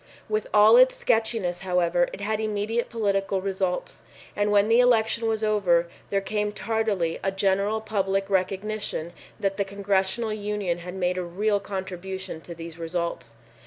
With all its sketchiness, however, it had immediate political results, and when the election was over, there came tardily a general public recognition that the Congressional Union had made a real contribution to these results.